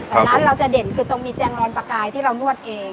แต่ร้านเราจะเด่นคือตรงมีแจงลอนประกายที่เรานวดเอง